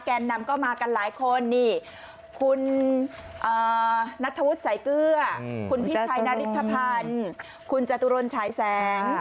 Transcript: แก่นนำเข้ามากันหลายคนคุณนัทธวุฒิสายเกลือคุณพี่ชัยนาริทธพันธ์คุณจตุรนชายแสง